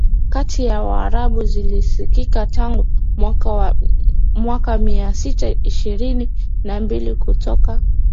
kati ya Waarabu zilisikika tangu mwaka Mia sita ishirini na mbili kutoka